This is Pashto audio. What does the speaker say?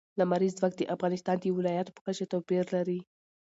لمریز ځواک د افغانستان د ولایاتو په کچه توپیر لري.